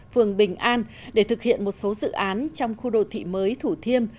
phường bình an để thực hiện một số dự án trong khu đô thị mới thủ thiêm